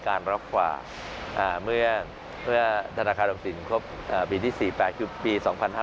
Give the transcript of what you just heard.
การรับฝากเมื่อธนาคารออมสินครบปีที่๔๘ปี๒๕๐๕